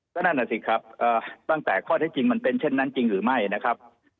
ก็นั่นน่ะสิครับตั้งแต่ข้อเท็จจริงมันเป็นเช่นนั้นจริงหรือไม่นะครับ